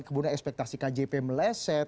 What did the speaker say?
kemudian ekspektasi kjp meleset